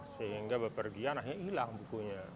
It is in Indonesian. sehingga bepergian akhirnya hilang bukunya